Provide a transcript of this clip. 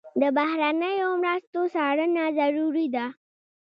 د بهرنیو مرستو څارنه ضروري ده.